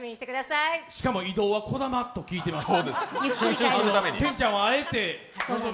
しかも、移動はこだまと聞いています。